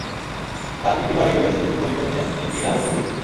কাল তিনটি বার্ডি করলেও সিদ্দিকুর বগি করেছেন তিনটি, ডাবল বগি দুটি।